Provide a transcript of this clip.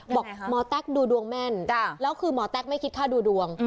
บอกหมอแต๊กดูดวงแม่นแล้วคือหมอแต๊กไม่คิดค่าดูดวง